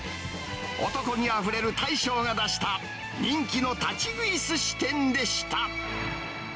男気あふれる大将が出した、人気の立ち食いすし店でした。